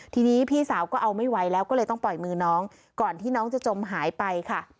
ทีนี้พี่สาวก็เอาไม่ไหวแล้วก็เลยต้องปล่อยมือน้องก่อนที่น้องจะจมหายไปค่ะ